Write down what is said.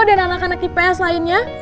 dan anak anak tps lainnya